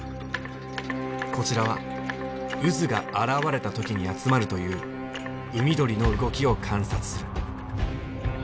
こちらは渦が現れた時に集まるという海鳥の動きを観察する。